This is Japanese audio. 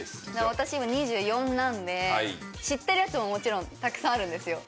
私今２４なんで知ってるやつももちろんたくさんあるんですよ。